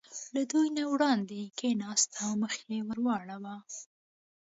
له دوی نه وړاندې کېناست او مخ یې ور واړاوه.